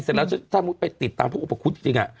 เสร็จแล้วถ้าไปติดตามเพื่อนอุปกุฎจริงอะ